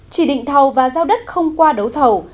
chỉ định thầu và giao đất không qua đấu thầu